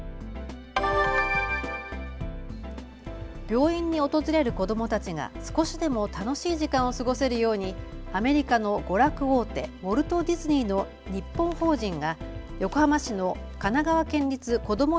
病院に訪れる子どもたちが少しでも楽しい時間を過ごせるようにアメリカの娯楽大手、ウォルト・ディズニーの日本法人が横浜市の神奈川県立こども